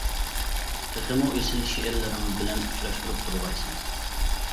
تېخىمۇ ئېسىل شېئىرلىرىڭىز بىلەن ئۇچراشتۇرۇپ تۇرغايسىز.